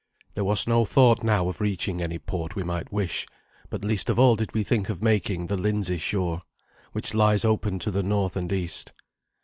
There was no thought now of reaching any port we might wish, but least of all did we think of making the Lindsey shore, which lies open to the north and east.